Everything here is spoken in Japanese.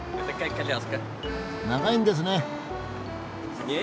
長いんですね。